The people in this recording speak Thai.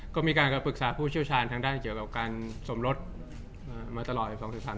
ก็มีการปรึกษาผู้เชี่ยวชาญทางด้านเกี่ยวกับการสมรสมาตลอด๑๒๓